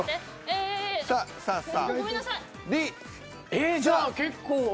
えっじゃあ結構。